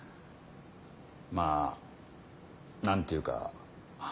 まぁ何ていうか。